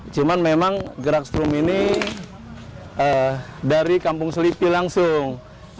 cuma memang gerak strung ini dari kampung selipi langsung